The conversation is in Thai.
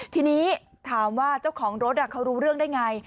ทีนี้ถามว่าเจ้าของรถเขารู้เรื่องได้ไง